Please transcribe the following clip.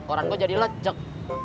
orang gue jadi lecek